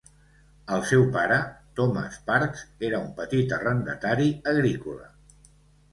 El seu pare, Thomas Parkes, era un petit arrendatari agrícola.